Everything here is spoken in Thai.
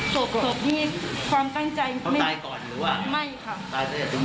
ศพศพนี่ความตั้งใจไม่ไม่ค่ะ